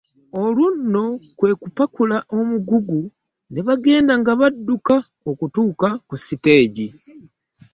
Olwo nno kwe kupakula omugugu ne bagenda nga badduka okutuuka ku siteegi.